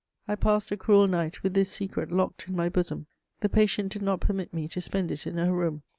I passed a cruel night, with this secret locked in my bosom. The patient did not permit me to spend it in her room.